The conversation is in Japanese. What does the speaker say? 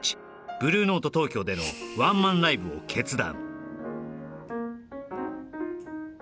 ブルーノート東京でのワンマンライブを決断